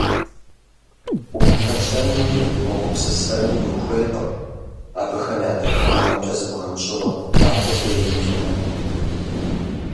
Упсэлъэнуи угупсысэнуи ухуейкъым, абыхэм я дахагъымкӀэ зыбгъэнщӀыну аркъудей мыхъумэ.